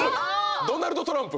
ドナルド・トランプ！